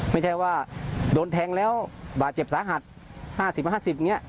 ไม่ใช่ว่าโดนแทงแล้วบาดเจ็บสาหัสห้าสิบมาห้าสิบอย่างเงี้ย